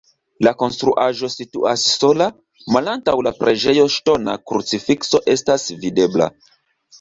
La konstruaĵo situas sola, malantaŭ la preĝejo ŝtona krucifikso estas videbla.